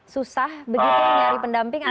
susah begitu mencari pendamping atau